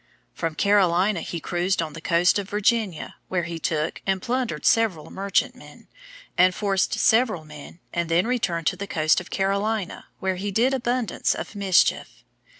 From Carolina he cruised on the coast of Virginia, where he took and plundered several merchantmen, and forced several men, and then returned to the coast of Carolina, where he did abundance of mischief.